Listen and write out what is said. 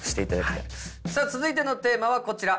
続いてのテーマはこちら。